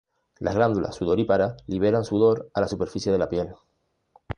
Las glándulas sudoríparas liberan sudor a la superficie de la piel.